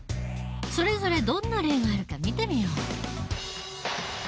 それぞれどんな例があるか見てみよう。